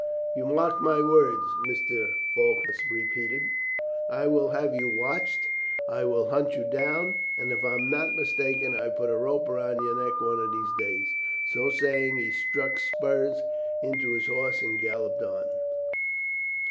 "You mark my words," Mr. Faulkner repeated. "I will have you watched, and I will hunt you down, and if I am not mistaken I will put a rope round your neck one of these days." So saying, he struck spurs into his horse and galloped on.